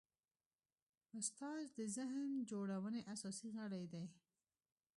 استاد د ذهن جوړونې اساسي غړی دی.